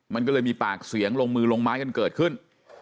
มันก็เลยมีปากเสียงลงมือลงไม้กันเกิดขึ้น